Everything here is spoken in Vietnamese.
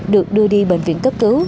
được đưa đi bệnh viện cấp cứu